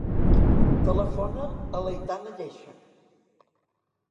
Telefona a l'Aitana Lleixa.